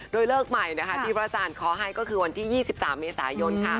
โดยเลิกใหม่นะคะที่พระอาจารย์ขอให้ก็คือวันที่๒๓เมษายนค่ะ